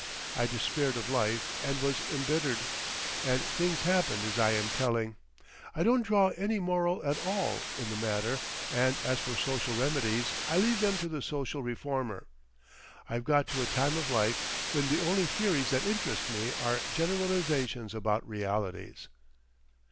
I despaired of life and was embittered. And things happened as I am telling. I don't draw any moral at all in the matter, and as for social remedies, I leave them to the social reformer. I've got to a time of life when the only theories that interest me are generalisations about realities.